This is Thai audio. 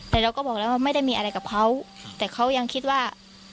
แต่เราก็บอกแล้วว่าไม่ได้มีอะไรกับเขาแต่เขายังคิดว่า